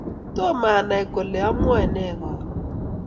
Tomo anay kole amwae nee karon